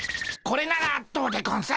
これならどうでゴンス？